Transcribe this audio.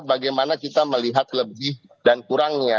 bagaimana kita melihat lebih dan kurangnya